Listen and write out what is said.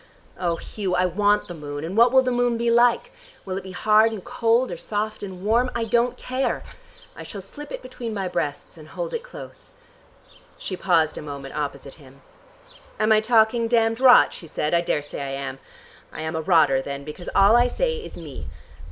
Oh, Hugh, I want the moon, and what will the moon be like? Will it be hard and cold or soft and warm? I don't care. I shall slip it between my breasts and hold it close." She paused a moment opposite him. "Am I talking damned rot?" she asked. "I daresay I am. I am a rotter then, because all I say is me.